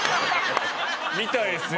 みたいですよ。